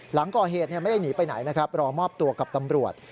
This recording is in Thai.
หลังก่อเหตุไม่ได้หนีไปไหนนะครับรอมอบตัวกับตำรวจ